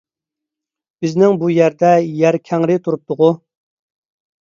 بىزنىڭ بۇ يەردە يەر كەڭرى تۇرۇپتىغۇ...